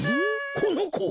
このこは。